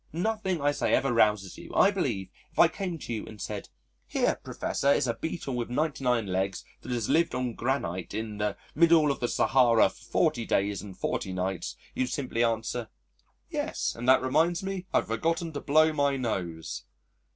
Nothing I say ever rouses you. I believe if I came to you and said, 'Here, Professor, is a Beetle with 99 legs that has lived on granite in the middle of the Sahara for 40 days and 40 nights,' you'd simply answer, 'Yes, and that reminds me I've forgotten to blow my nose.'"